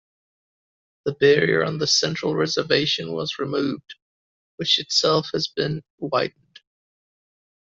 The barrier on the central reservation was removed, which itself has been widened.